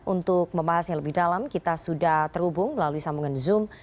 untuk membahas yang lebih dalam kita sudah terhubung melalui sambungan zoom